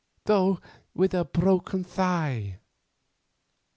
—though with a broken thigh."